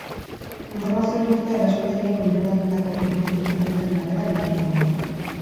Informazio hori guztia erasotzaileek kontrolatutako urrutiko zerbitzari batera bidaltzen da.